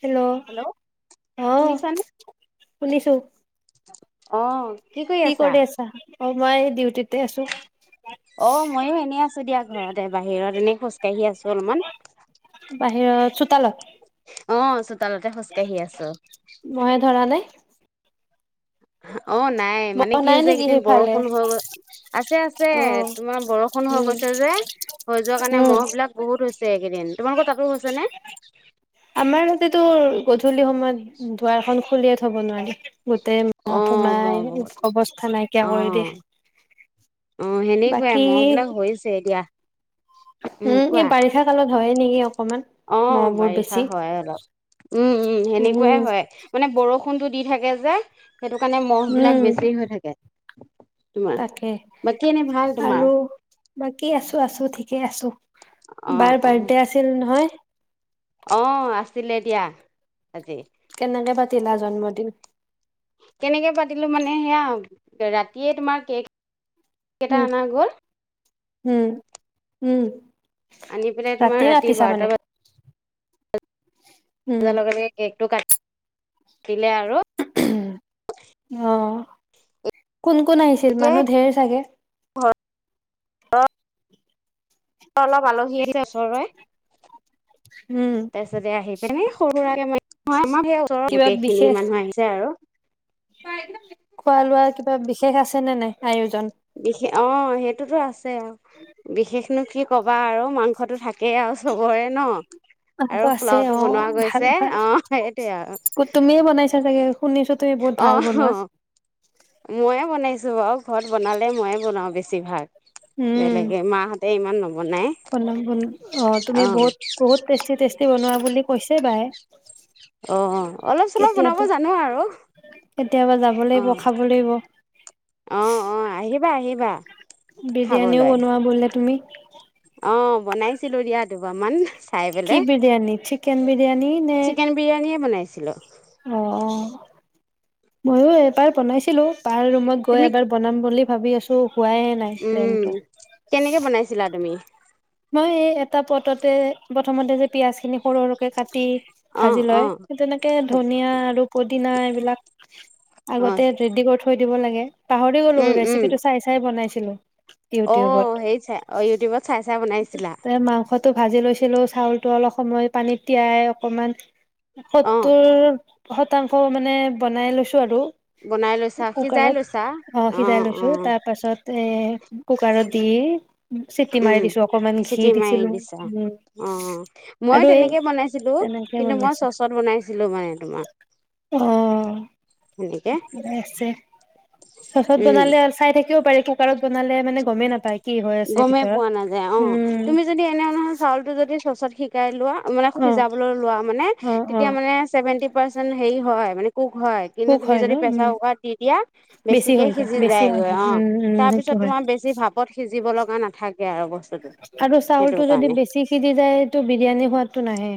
Hello! অ' শুনিছানে? শুনিছোঁ। অ' কি কৰি আছা? অ' মই ডিউটিতে আছো। অ' মই এনেই আছো দিয়া ঘৰতে, বাহিৰত এনেই খোজকাঢ়ি আছো অলপমান। বাহিৰৰ চোতালত। অ' চোতালতে খোজকাঢ়ি আছো। মহে ধৰা নাই? হা? অ' নাই মানে মহ কি নাই হৈছে নেকি এইকেইদিন, সেইফালে বৰষুণ হৈ আছে। অ তোমাৰ বৰষুণ হৈ উম গৈছে যে, হৈ যোৱা কাৰণে উম ম'হ বিলাক বহুত হৈছে এইকেইদিন, তোমালোকৰ তাতো হৈছে নে? আমাৰ তাতে টো গধূলি সময়ত দুৱাৰখন খুলিয়ে থ'ব নোৱাৰি। গোটেই অ ম'হ মহ সোমাই বহুত অৱস্থা নাইকিয়া অ কৰি দিয়ে। অ' সেনেকুৱাই বাকী ম'হ বিলাক যে হৈছেই দিয়া। উম! এই বাৰিষা কালত হয় নেকি? অ' অ' বাৰিষাত হয় অলপ। উম! উম! সেনেকুৱাই হয় মানে বৰষুণ বৰষুণ টো দি থাকে যে সেইটো কাৰণে ম'হ উম বিলাক বেছি হৈ থাকে। তোমাৰ তাকে বাকী এনে ভাল তোমাৰ আৰু বাকী আছো, আছো। ঠিকে আছো অ', বাৰু, অ', বাৰ্থডে আছিল নহয়। অ আছিলে দিয়া তাতে। কেনেকে পাতিলা জন্মদিন। কেনেকে পাতিলো মানে সেয়া ৰাতিয়ে তোমাৰ কেক। কেইটা উম অনা গল। উম উম। আনি পিনে তোমাৰ ৰাতিয়ে ৰাতি কাটিছা মানে বাৰটা মা উম বজাৰ লগে লগে কেকটো কাট টিলে আৰু অ কোন কোন আহিছিল? মানুহ ধেৰ চাগে? ঘৰত অলপ আলহী আহিছে ওচৰৱে। উম তাৰপিছতে আহি পিনি এনেই সৰু সোৰাকৰাকে আমাৰ সেই ওচৰত কিবা গোটেইখিনি বিশেষ মানুহ আহিছে আৰু। খোৱা লোৱা কিবা [unintelligible] বিশেষ আছেনে নাই আয়োজন। বিশেষ অঁ, সেইটোতো আছ চে অঁ বিশেষ। নো কি ক'বা আৰু। মাংসটো থাকেই আও চবৰে ন' আৰু আকৌ আছে পোলাওটো অ বনোৱা ভাল গৈছে ভাল অঁহ সেইটোৱে আও। তুমিয়ে বনাইছা চাগে শুনিছো তুমি বহুত ভাল অঁহ বনোৱা ময়ে বনাইছো। তোৰ আৰু ঘৰত বনালে মইয়ে বনাওঁ বেছিভাগ। বেলেগে মাহঁতে এই ইমান ন পদুম ফুল অ' তুমি বহুত বহুত টেষ্টি টেষ্টি বনোৱা বুলি কৈছে বাই। অ' অলপ চলপ বনাব কেতিয়াবা জানোঁ আৰু কেতিয়াবা যাব লাগিব অ' খাব লাগিব অ' অ' আহিবা আহিব। বাৱাহ। বিৰিয়ানিও বনোৱা বোলে তুমি? অহ' বনাইছিলোঁ দিয়া দুবাৰ মান কি বিৰিয়ানি চিকেন বিৰিয়ানী নে? জিলা। অহ' মইয়ো এবাৰ বনাইছিলোঁ। বাৰ ৰুমত গৈ তুমি এবাৰ বনাম বুলি। ভাবি আছোঁ। উম, কেনেকে বনাইছিলা তুমি? মই এই এটা পটতে প্ৰথমতে যে। পিঁয়াজ খিনি সৰু সৰুকে কাটি অ ভাজি অ লয়, সেই তেনেকে ধনিয়া আৰু পদিনা এইবিলাক অ আগতে ৰেডি কৰি থৈ দিব লাগে। পাহৰি গলো, উম উম ৰেচিপিটো চাই চাই বনাইছি দিলো। অ', হেইত চাই, অ ইউটিউবত চাই চাই বনাইছিলা তে মাংসত টো ভাজি লৈছিলো, চাউলটো অলপ সময় পানীত তিয়াই অকমান অ সেটো শতাংশ মানে বনাই লৈছোঁ আৰু। বনাই লৈছা সিজাই কুকাৰত লৈছা অ', সিজাই লৈছোঁ তাৰপাছতে কুকাৰত দিয়েই চিটি মাৰাই উম দিছোঁ। অকমান ঘি চিটি মাৰি দিছিলোঁ, দিছা উম। অ মই আৰু এই তেনেকে বনাইছিলো তেনেকেই কিন্তু মই বনাইছিলোঁ চচত বনাইছিলো মানে তোমাৰ অ', সেনেকে [unintelligible] চচত উম বনালে চাই থা তেনেকেও পাৰি! কুকাৰত বনালে মানে গমেই নাপায়। কি হৈ আছে গমেই ভিতৰত পোৱা নাযায়। অ', উম তুমি যদি এনে নহয় চাউলটো যদি চচত শিকাই লোৱা মানে অ সিজাবলৈ লোৱা, মানে অ অ তেতিয়া মানে চেভেন্তি পাৰ্চেণ্ট হেই হয়, মানে কুক হয় কিন্তু কুক তুমি হয় ন যদি উম প্ৰেচাৰ কুকাৰত দি দিয়া, বেছি বেছিকেই হৈ যায় সিজি বেছি হৈ যায়গৈ। যায় অ', উম উম সেইটো তাৰপিছত হয় তোমাৰ বেছি ভাপত সিজিব লগা নাথাকে আৰু বস্তু আৰু চাউলটো যদি বেছি সিজি যায়, এইটো বিৰিয়ানী সুৱাদটো নাহে।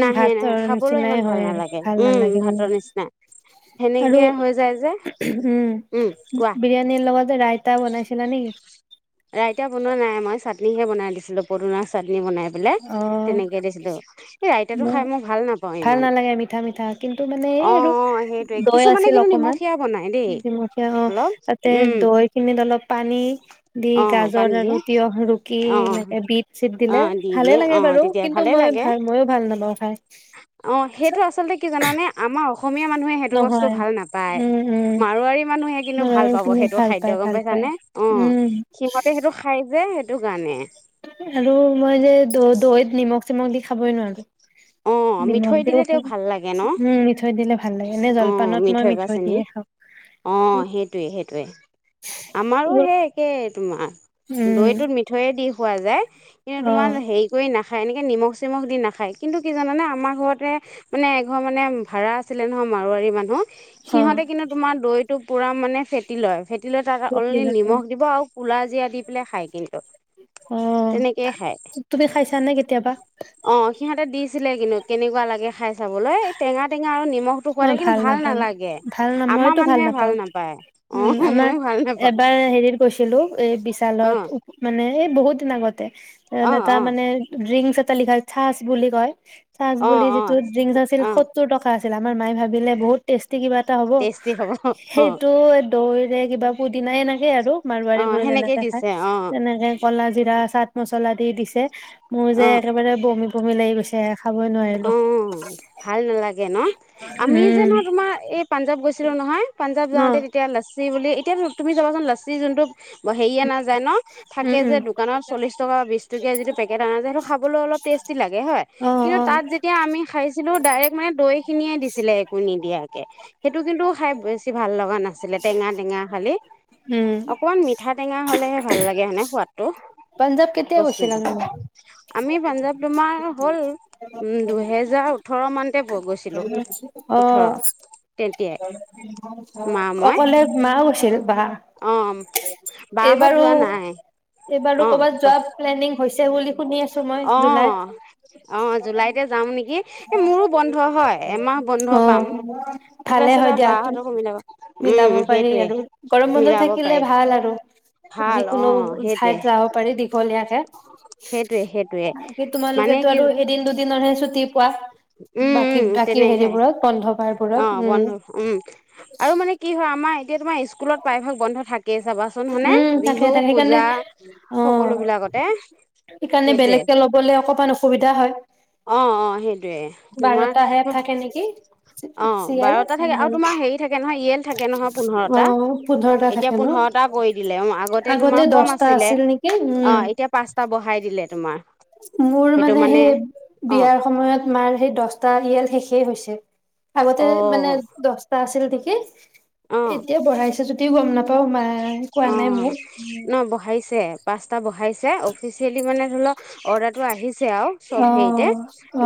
নাহে, নাহে, ভাতৰ খাবলৈ নিচিনাই ইমান ভাল হয় আৰু নালাগে! ভাল উম, নালাগে ভাতৰ নিচিনা আৰু সেনেকে হৈ যায় যে! উম, কোৱা। লগতে ৰাইতা বনাইছিলা নেকি? পনিহে বনাই দিছিলোঁ পৰুণা চাদী আহ এই ৰাইতাটো ম খাই মই ভাল নাপাওঁ ভাল ইমান নালাগে মিঠা মিঠা কিন্তু মানে এই অ আৰু অ সেইটোৱে দৈ কিছুমানে আছিল কিন্তু অকমান নিমখীয়া বনাই দেই নিমখীয়া অ' অলপ তাতে উম দৈখিনিত অলপ পানী দি অ গাজৰ পানী দিয়ে আৰু তিয়হ ৰুকি এনেকে বিট চিট দিলে দ ভালে লাগে অ' বাৰু তেতিয়া কিন্তু ভালে মই লাগে ভাল ময়ো ভাল নাপাওঁ খাই অ' সেইটো আচল কি জানে আমাৰ অসমীয়া মানুহে সেইটো বস্তু নহয় ভাল নাপায় উম উম মাৰোৱাৰী মানুহে কিন্তু ল'ৰা ভাল পাব খিনি সেইটো ভাল খাদ্য পায় গম ভাল পায় পাইছানে অ' উম সিহঁতে সেইটো খাই যে স! ! সেইটো কাৰানে আৰু মই যে দ দৈত নিমখ চিমখ দি খাবই নোৱাৰো অ' নিমখ মিঠৈ দিও দিলে খা তেওঁ ভাল লাগে ন উম মিঠৈ দিলে ভাল লাগে এনে অ' জলপানত মই বা মিঠৈ চেনি দিয়ে খাওঁ অ' সেইটোৱে সেইটোৱে আমাৰো উম সেই একে তোমাৰ দৈটোত মিঠৈয়ে দি খোৱা যায় কিন্তু অ তোমাৰ হেৰি কৰি নাখায় এনেকে নিমখ চিমখ দি নাখায় কিন্তু জানানে আমাৰ ঘৰতে মানে এঘৰ মানে ভাড়া আছিলে নহয় মাৰোৱাৰী মানুহ অ সিহতে কিন্তু তোমাৰ দৈত টো পুৰা মানে ফেটি লয় ফে দিলে তাক অল বেছিভাগে। নিমখ দিব আৰু কোলাাজিৰা দি পেলাই খায় কিন্তু অ তেনেকেই ভা- খায় তুমি খাইছানে কেতিয়াবা অ সিহঁতে দিছিলে কিন্তু কেনেকুৱা লাগে খাই চাবলৈ টেঙা টেঙা আৰু নিমখটো খোৱ মই দে কিন্তু ভাল নাপালো নালাগে ভাল না আমাৰ মইতো মানুহে নাপাওঁ ভাল নাপায় উম আহ আমাৰ মইয়ো ভাল নাপাওঁ এবাৰ হেৰিত গৈছিলো এই বিশালত অ', মানে এই বহুত দিন আগতে এ অ', এটা অ', মানে ড্ৰিংক লিখা থাছ বুলি কয় অ', অ', অ', [unintelligible] তোৰ টকা আছিল আাৰ মাই ভাবিলে বহুত ষ্টে কিবা এটা হ'ব টেষ্টি হ'ব অ', সেইটো দৈ কিবা পুদিনা এনেকে আৰু মাৰোবাৰী অ', বোৰে সেনেকেই যেনেকে খাই দিছে অ', তেনেকে কলা জিৰা চাট মছলা দি দিছে মোৰ যে অ'। একেবাৰে বমি বমি লাগি গৈছে খাবই অ নোৱাৰিলো ভাল নালাগে ন আমি যে ন উম তোমাৰ এই পাঞ্জাৱ গৈছিলোঁ নহয় পাঞ্জাৱ অ যাওঁতে তেতিয়া লেচ টি বুলি এতিয়া তুমি যাবাচোন লাচি যোনটো হেৰিয়ে নাযায় ন উম থাকে যে উম দোকানত চল্লিশ টকা বিশ টকীয়া যিটো পেকেট অনা যায় সেইটো খাবলৈ অলপ টেষ্টি লাগে হয় অ কিন্তু অ তাত যেতিয়া আমি খাইছিলোঁ ডাইৰেক্ট মানে দৈ খিনিয়ে দিছিলে একো নিদিয়াকে সেইটো কিন্তু খাই বেছি ভাল লগা নাছিলে টেঙা টেঙা খালি উম অকমান মিঠা টেঙা হলেহে ভাল লাগে সোৱাদ পঞ্জাব কেতিয়া গৈছিলা নো? আমি পাঞ্জাৱ তোমাৰ হ'ল। দুহেজাৰ ওঠৰ মান আহ। তেতিয়াই মা মই অকলে মাও গৈছে। অঁ বাহঁত এইবাৰো যোৱা নাই এইবাৰো কৰবাত যোৱা প্লেনিং গৈছে বুলি শুনি আছো মই অ জুলাইত আহ জুলাইতে যাম নেকি এই মোৰো বন্ধ হয় এমাহ বন্ধ অ পাম। ভালে তাৰপিছত হয় আৰু দিয়া বাহঁতকো মিলাব মিলাব উম পাৰি সেইটোৱে আৰু গৰম বন্ধু মিলাব থাকিলে পাৰি ভাল আৰু ভাল যিকোনো অঁ ঠাইত সেইটোৱে যাব পাৰি দীঘ সেইটোৱে সেইটোৱে কি তোমালোকেতটো মানে কি আৰু এদিন দুদিনৰ হে ছুটি পোৱা উম বাকী উম বাকী তেনেকাই হেৰিবোৰত অঁ বন্ধবাৰবোৰত। উম আৰু মানে কি হয় আমাৰ তোমাৰ এতিয়া তোমাৰ স্কুলত প্ৰাইভাগ বন্ধ থাকে কেই চাবাচোন হয় নে উম তাকে বিহু তাকে সেইকাৰণে পূজা অ সকলো বিলাকতে সেইকাৰণে সেইটয়ে বেলেগকে ল'বলে অকমান অ অ সেই। বাৰটা হে থাকে নেকি? অ চিৰিয়েল বাৰটা থাকে আৰু তোমাৰ উম হেৰি থাকে নহয় ই য়েল থাকে নহয় পোন্ধৰটা অ পোন্ধৰটা এতিয়া থাকে ন পোন্ধৰটা। কৰি দিলে অ আগতে তোমাৰ কম দহটা আছিলে আছিল নেকি অ উম এতিয়া পাঁচটা বঢ়াই দিলে তোমাৰ। মোৰ মানে সেই অ বিয়াৰ সময়ত মাৰ সেই দহটা ইয়েল শেষেই হৈছে। আগতে অ মানে দশটা আছিল দে কি। অ এতিয়া বঢ়াইছে য দিও গম নাপাওঁ। অ মা কোৱা নাই মোক। পাচঁটা বঢ়াইছে অফিচিয়েলি মানে ধৰি লওক অৰ্ডাৰটো আহি ছে আৰু চব অ হেৰিতে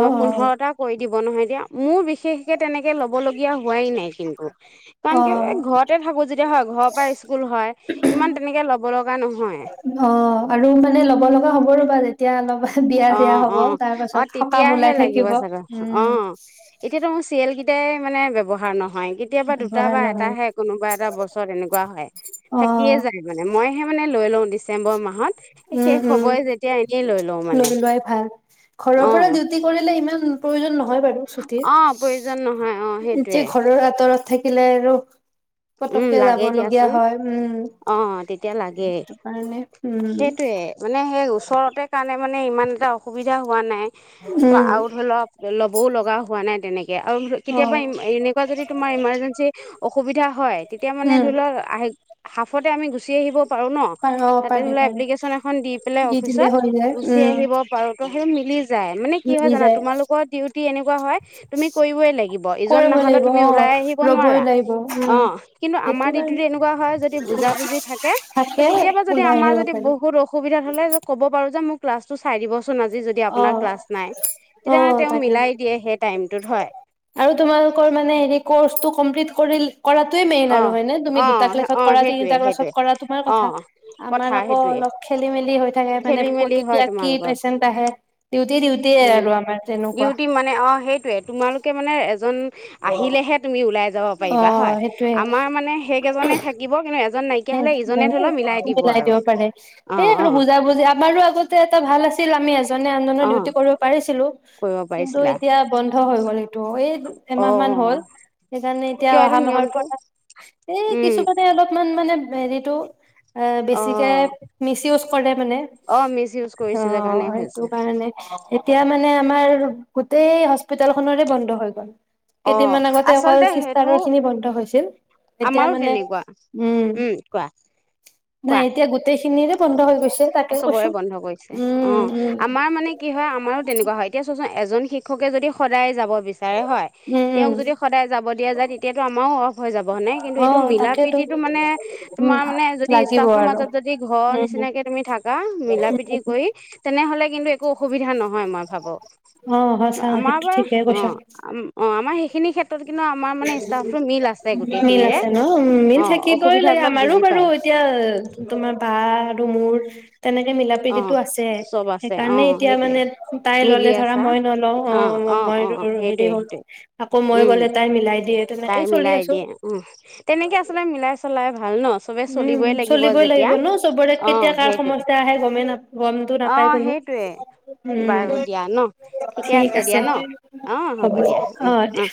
অ পোন্ধৰটা কৰি দিব নহয় এতিয়া। মোৰ বিশেষকে তেনেকে ল'ব লগিয়া হোৱাই নাই কিন্তু কাৰণ অ ক' ঘৰতে থাকো যেতিয়া হয় ঘৰৰ পৰা সেটো হয়, ইমান তেনেকে ল'ব লগা নহয়। [inaudible] এতিয়া অলপ বিয়া চিয়া অঁ হ'ব অঁ তাৰ পাছত অঁ সকাম ওলাই তেতিয়াহে লাগিব থাকিব, উম। চিৰিয়েল কেইটাই মানে ব্যৱহাৰ নহয়। কেতিয়াবা দুটা ব্যৱহাৰ বা নহয় এটাহে কোনোবা এটা বছৰ এনেকুৱা হয় অ থাকিয়ে যায় মানে মই মানে লৈ লওঁ ডিচেম্বৰ মাহত। এ উম শেষ উম হ'বই যেতিয়া এনে লৈ মানে লৈ লোৱাই ভাল, ঘৰৰ পৰা অঁ ডিউটি কৰিলে ইমান প্ৰয়োজন নহয় হয় বাৰু চুটি, অঁ প্ৰয়োজন নহয় অঁ সেইটোৱে এতিয়া ঘৰৰ আঁতৰৰ থাকিলে আৰু উম পতককে লাগে যাব লগীয়া দিয়াচোন হয় উম, অঁ তেতিয়া লাগে সেইটো কাৰণে উম। সেইটোৱে মানে সেই ওচৰতে কাৰণে মানে ইমান এটা অসুবিধা হোৱা নাই ত' উম আৰু ধৰি লওঁক ল'বও লগা হোৱা নাই তেনেকে আৰু অ কেতিয়াবা এনেকুৱা যদি তোমাৰ ইমাৰ্জেঞ্চি অসুবিধা হয় তেতিয়া মানে উম ধৰি লওঁক আহ হাফতে আমি গুচি আহিব পাৰোঁ ন', পাৰ অ তাতে পাৰি ধৰা পাৰি এপ্লিকেচন এখন দি পেলাই দিলে হৈ যায় গুচি উম আহিব পাৰোঁ মানে মিলি জাই মানে কি হয় মিলি জানা যায় তোমালোকৰ টিউট এনেকুৱা হয় তুমি কৰিবই লাগিব। ইজন কৰিব নাহালেও লাগিব তুমি ওলাই অ', আহিব নোৱাৰা ৰ'বই লাগিব। উম অ', কিন্তু সেইটো আমাৰ কাৰণে ডিউটিত এনেকুৱা হয় যদি বুজা বুজি থাকে ত' কেতিয়াবা যদি ওলাই আমাৰ আহিব যদি পাৰি বহুত অসুবিধা হলে ক'ব পাৰো যে মোক ক্লাছটো চাই দিব আপোনাৰ যদি অ আজি ক্লাচ নাই অ তেতিয়া মানে তেওঁ তাকে মিলাই দিয়ে সেই টাইম টোত হয়। আৰু তোমালোকৰ মানে হেৰি কৰ্চটো কমপ্লিট কৰি কৰাটোৱে মেইন অ আৰু হয়নে তুমি অ দুটা ক্লাছত অ কৰা সেইটোৱে তিনিটা ক্লাছত সেইটোৱে কৰা তোমাৰ অ কথা, আমাৰ কথা আকৌ সেইটোৱে অলপ খেলি মেলি হৈ থাকে মানে খেলি মেলি অতিত হয় বা কি তোমালোকৰ পেচেণ্ট আহে। ডিউটি ডিউটিয়ে উম, আৰু আমাৰ তেনেকুৱা ডিউটি মানে অ', সেইটোয়ে তোমালোকে মানে এজন আহিলেহে তুমি ওলাই যাব অ পাৰিবা হয়, সেইটোয়ে আমাৰ মানে সেই কেইজনে থাকিব কিন্তু এজন নাইকিয়া হ'লে ইজনে ধৰি লওঁক মিলাই দিব আৰু এই অ', আৰু অ'। বুজা বুজি আমাৰো আগতে এটা ভাল আছিল আমি এজনে আনজনৰ অ ডিউটি কৰিব পাৰিছিলোঁ, কৰিব কিন্তু পাৰিছিলা এতিয়া বন্ধ হৈ গ'ল এইটো, এই অ এমাহমান হ'ল। সেইকাৰণে এতিয়া কিয় এইটো অহা মাহৰ নিয়মটো পৰা, এই উম কিছুমানে অলপমান মানে হেৰিতো এ, অ বেছিকে মিচ ইউচ্ কৰে মানে, অ মিচ ইউজ কৰিছিলে অ', কাৰণে সেইটো হৈছে কাৰণে, এতিয়া মানে আমাৰ গোটেই হচ পিটেলখনৰে বন্ধ হৈ গ'ল, অ কেইদিনমান আগত অকল আচলতে সেইটো চিষ্টাৰৰখিনি বন্ধ হৈছিল, এতিয়া আমাৰো মানে, তেনেকুৱা উম, নাই কোৱা এতিয়া গোটেই খিনিৰে বন্ধ হৈ গৈছ চবৰে বন্ধ কৰিছে, অ', উম আমাৰ মানে কি হয় আমাৰো তেনেকুৱা হয়, এতিয়া চোৱাচোন এজনী শিক্ষকে যদি সদায় যাব বিচাৰে হয়, উম উম তেওঁক যদি সদায় যাব দিয়া যায়, তেতিয়াতো আমাৰো অফ হৈ যাব হয়নে, কিন্তু অ এইটো মিলা তাকেতো প্ৰীতিটো মানে, উম তোমাৰ মানে যদি লাগিব ষ্টাফটোৰ আৰু মাজত যদি ঘৰৰ উম নিচিনাকে মি থাকা মিলা প্ৰতি কৰি, তেনেহ'লে কিন্তু একো অসুবিধা নহয় মই ভাবো, অ সঁচা আমাৰ সেইটো বাৰু, ঠিকেই কৈছা অ', উম, অ'। আমাৰ সেইখিনি খেত মিল গোটেইখিনিৰে আছে ন, উম, মিল অ', থাকিবই লাগে, অসুবিধাবিলাক আমাৰো বুজি বাৰু পায় এতিয়া, তোমাৰ বা টো মোৰ তেনেকে মিলা প্ৰীতিটো অ', আছে, চব আছে সেইকাৰণে অ', এতিয়া সেইটোৱে মানে তাই মিলি ল'লে ধৰা আছা মই নলওঁ, অ', মই অ', ৰু-ৰু হেৰি সেইটোৱে হ'ল, সেইটোৱে আকৌ মই উম, গ'লে মিলাই দিয়ে তাই তেনেকেই চলি মিলাই আছো দিয়ে, উঃ, তেনেকে আচলতে মিলাই চল লাই ভাল ন, চবে উম চলিবই লাগিব চলিবই যেতিয়া, লাগিব ন চবৰে অ', কেতিয়া কাৰ সেইটোৱেই। সমস্যা আহে গমেই নাপ-গমতো নাপায় কোনো, উম, বাৰু দিয়া ন ঠিকে ঠিক আছে, দিয়া ন অ', হ'ব দিয়া, উম, অ', উম। দিয়া।